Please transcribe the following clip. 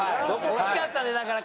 惜しかったねだから。